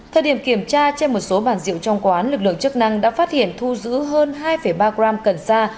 thời điểm kiểm tra trên một số bàn rượu trong quán lực lượng chức năng đã phát hiện thu giữ hơn hai ba gram cần sa